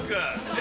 え？